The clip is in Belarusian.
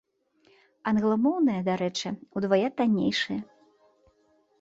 Англамоўныя, дарэчы, удвая таннейшыя.